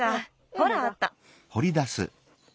ほらあった。